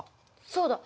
そうだ。